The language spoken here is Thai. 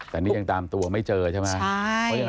แต่นี่ยังตามตัวไม่เจอใช่ไหม